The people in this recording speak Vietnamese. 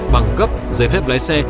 bằng cấp giấy phép lái xe